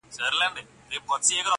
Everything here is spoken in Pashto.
ما چي د ميني په شال ووهي ويده سمه زه.